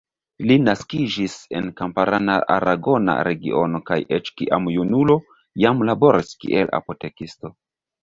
Li naskiĝis en kamparana aragona regiono kaj eĉ kiam junulo jam laboris kiel apotekisto.